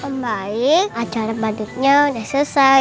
pembaik acara badutnya udah selesai